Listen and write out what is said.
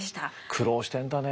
苦労してんだね。